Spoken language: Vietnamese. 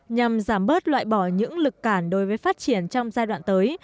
nhằm giảm bớt loại bỏ những lực cản đối với phát triển trong giai đoạn tới